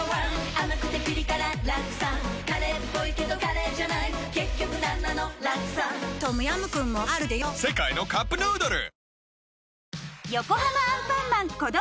甘くてピリ辛ラクサカレーっぽいけどカレーじゃない結局なんなのラクサトムヤムクンもあるでヨ世界のカップヌードル